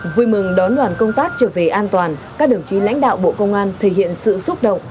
vui mừng đón đoàn công tác trở về an toàn các đồng chí lãnh đạo bộ công an thể hiện sự xúc động